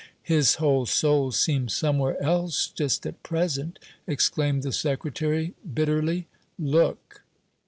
"His whole soul seems somewhere else just at present," exclaimed the Secretary, bitterly. "Look!"